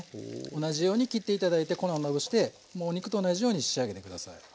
同じように切って頂いて粉をまぶしてもう肉と同じように仕上げて下さい。